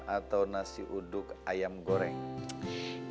atau nasi uduk ayam goreng